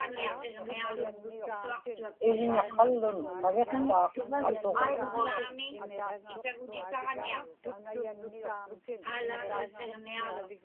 igña qallun kaviqsaaq atuġuŋ